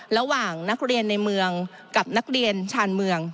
ระหว่างนักเรียนในเมืองกับนักเรียนชาญเมือง